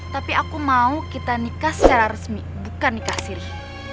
tapi aku mau kita nikah secara resmi bukan nikah sirih